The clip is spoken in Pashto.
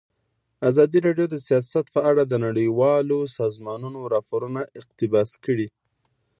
ازادي راډیو د سیاست په اړه د نړیوالو سازمانونو راپورونه اقتباس کړي.